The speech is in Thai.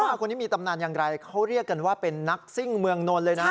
ว่าคนนี้มีตำนานอย่างไรเขาเรียกกันว่าเป็นนักซิ่งเมืองนนท์เลยนะ